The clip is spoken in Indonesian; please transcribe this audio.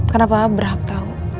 karena papa berhak tahu